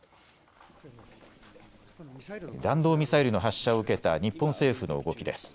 弾道ミサイルの発射を受けた日本政府の動きです。